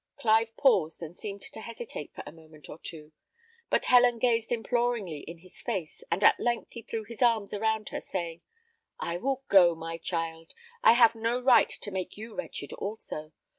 Clive paused, and seemed to hesitate for a moment or two; but Helen gazed imploringly in his face, and at length he threw his arms around her, saying, "I will go, my child; I have no right to make you wretched also.